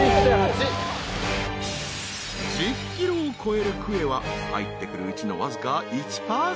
［１０ｋｇを超えるクエは入ってくるうちのわずか１％］